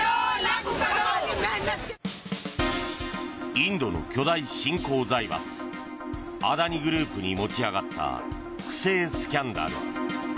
インドの巨大新興財閥アダニ・グループに持ち上がった不正スキャンダル。